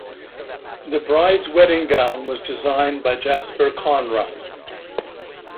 The bride's wedding gown was designed by Jasper Conran.